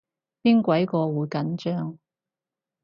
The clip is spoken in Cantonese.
邊鬼個會緊張